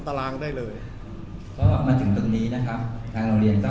ตารางได้เลยก็มาถึงตรงนี้นะครับทางโรงเรียนก็